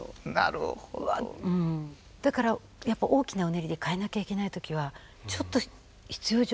うわっだからやっぱ大きなうねりで変えなきゃいけない時はちょっと必要以上に。